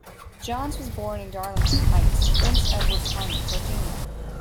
Johns was born in Darlington Heights, Prince Edward County, Virginia.